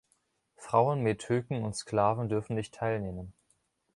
Frauen, Metöken und Sklaven durften nicht teilnehmen.